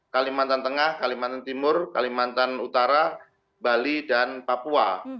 kalimantan tengah kalimantan timur kalimantan utara bali dan papua